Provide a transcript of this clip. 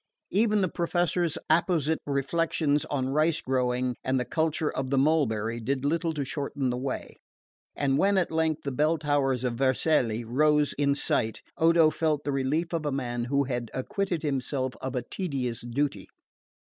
Even the Professor's apposite reflections on rice growing and the culture of the mulberry did little to shorten the way; and when at length the bell towers of Vercelli rose in sight Odo felt the relief of a man who has acquitted himself of a tedious duty.